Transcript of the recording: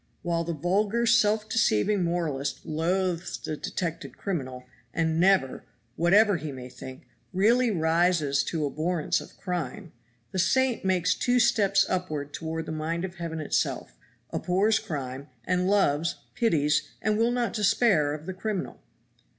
While the vulgar self deceiving moralist loathes the detected criminal, and never (whatever he may think) really rises to abhorrence of crime, the saint makes two steps upward toward the mind of Heaven itself, abhors crime, and loves, pities, and will not despair of the criminal.